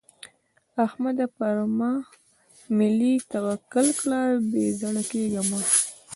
احمده؛ پر ماملې توکل کړه؛ بې زړه کېږه مه.